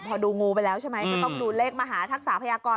พอดูงูไปแล้วใช่ไหมก็ต้องดูเลขมหาทักษะพยากร